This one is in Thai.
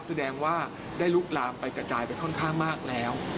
แสดงว่าได้ลุกลามไปกระจายไปค่อนข้างมากแล้ว